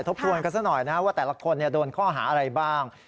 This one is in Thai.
ทบทวนกันซะหน่อยนะว่าแต่ละคนโดนข้อหาอะไรบ้าง